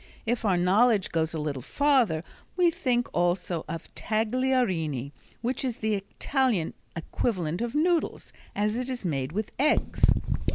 If our knowledge goes a little farther we think also of tagliarini, which is the Italian equivalent of noodles, as it is made with eggs.